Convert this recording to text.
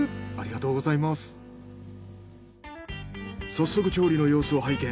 早速調理の様子を拝見。